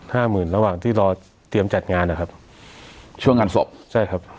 ห้าหมื่นระหว่างที่รอเตรียมจัดงานนะครับช่วงงานศพใช่ครับ